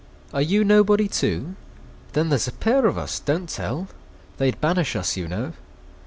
Are you nobody, too? Then there 's a pair of us—don't tell! They 'd banish us, you know.